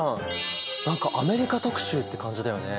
何かアメリカ特集って感じだよね。